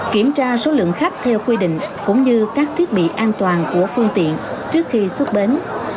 kiểm tra số lượng khách theo quy định cũng như các thiết bị an toàn của phương tiện trước khi xuất bến